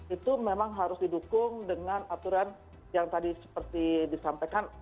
itu memang harus didukung dengan aturan yang tadi seperti disampaikan